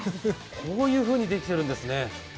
こういうふうにできているんですね。